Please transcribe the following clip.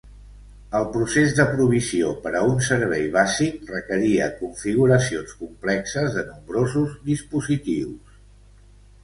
El procés de provisió per a un servei bàsic requeria configuracions complexes de nombrosos dispositius.